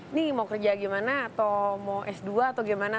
ini mau kerja gimana atau mau s dua atau gimana